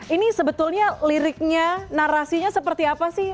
ini sebetulnya liriknya narasinya seperti apa sih